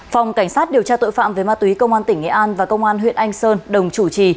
phòng cảnh sát điều tra tội phạm về ma túy công an tỉnh nghệ an và công an huyện anh sơn đồng chủ trì